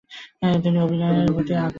তিনি অভিনয়ের প্রতি আগ্রহী হয়ে ওঠেন।